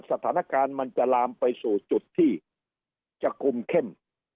สถานการณ์มันจะลามไปสู่จุดที่จะคุมเข้ม